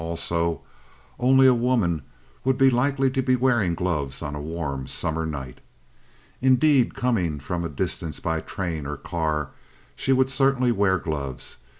Also, only a woman would be likely to be wearing gloves on a warm summer night. Indeed, coming from a distance by train, or car, she would certainly wear gloves.